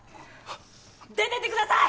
出てってください！